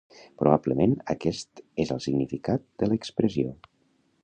Probablement aquest és el significat de l'expressió.